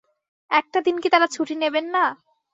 একটা দিন কি তাঁরা ছুটি নেবেন না?